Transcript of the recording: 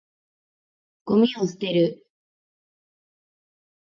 ゴミを捨てる。